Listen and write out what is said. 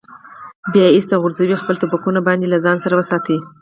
بیا یې ایسته غورځوي، خپل ټوپکونه باید له ځان سره وساتي.